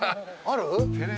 ある？